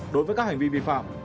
đối với các hành vi vi phạm